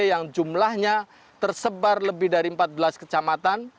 yang jumlahnya tersebar lebih dari empat belas kecamatan